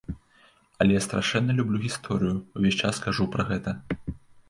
Але я страшэнна люблю гісторыю, увесь час кажу пра гэта.